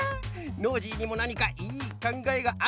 ノージーにもなにかいいかんがえがあるようじゃな。